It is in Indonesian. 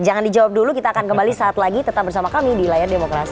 jangan dijawab dulu kita akan kembali saat lagi tetap bersama kami di layar demokrasi